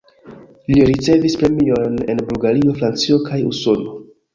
Li ricevis premiojn en Bulgario, Francio kaj Usono.